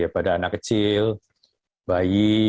pada anak kecil bayi